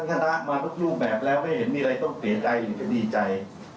ทั้งแพ้ทั้งคณะมาทุกรูปแบบแล้วไม่เห็นมีอะไรต้องเปลี่ยนใจหรือเป็นดีใจ